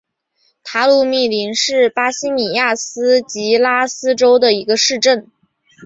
塔鲁米林是巴西米纳斯吉拉斯州的一个市镇。